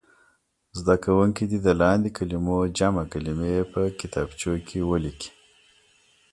زده کوونکي دې د لاندې کلمو جمع کلمې په کتابچو کې ولیکي.